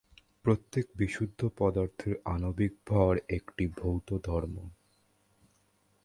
প্রত্যেক বিশুদ্ধ পদার্থের আণবিক ভর একটি ভৌত ধর্ম।